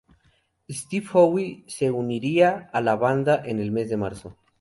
Steve Howe se uniría a la banda en el mes de marzo.